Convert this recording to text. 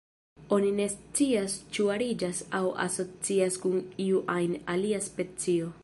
Oni ne scias ĉu ariĝas aŭ asocias kun iu ajn alia specio.